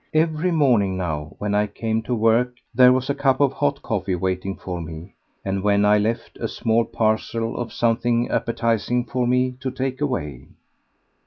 Every morning now, when I came to work, there was a cup of hot coffee waiting for me, and, when I left, a small parcel of something appetizing for me to take away.